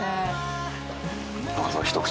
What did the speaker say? まずはひと口。